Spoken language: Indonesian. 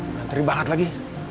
nganteri banget lagi